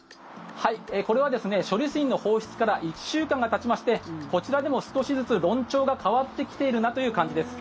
これは処理水の放出から１週間がたちましてこちらでも少しずつ、論調が変わってきているなという感じです。